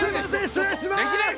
失礼します！